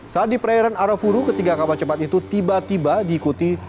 saat di perairan arafuru ketiga kapal cepat itu tiba tiba diikuti